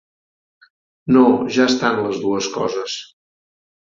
No ja estan les dues coses.